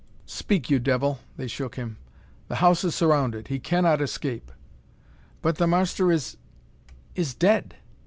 "Speak, you devil!" They shook him. "The house is surrounded. He cannot escape!" "But the marster is is dead!